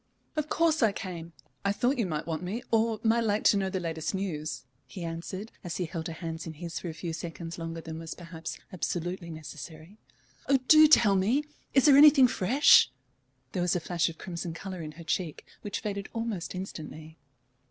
"Of course I came. I thought you might want me, or might like to know the latest news," he answered, as he held her hands in his for a few seconds longer than was perhaps absolutely necessary. "Oh, do tell me! Is there anything fresh?" There was a flash of crimson colour in her cheek, which faded almost instantly.